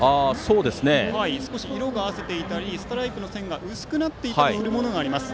少し色があせていたりストライプの線が薄くなっているものがあります。